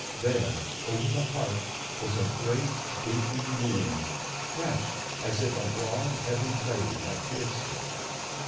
There, over the heart, was a great gaping wound, fresh, as if a broad, heavy blade had pierced it.